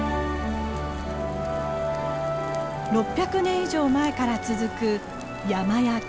６００年以上前から続く山焼き。